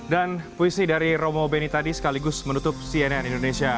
dan puisi dari romo beni tadi sekaligus menutup cnn indonesia